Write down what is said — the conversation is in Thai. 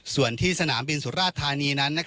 ส่วนที่สนามบินสุราชธานีนั้น